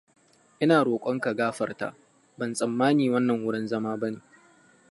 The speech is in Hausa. Ina rokonka gafarta. Ban tsammani wannan wurin zama ba ne.